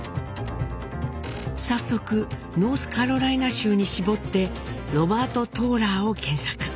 早速ノースカロライナ州に絞って「ロバート・トーラー」を検索。